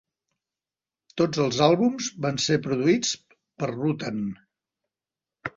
Tots els àlbums van ser produïts per Rutan.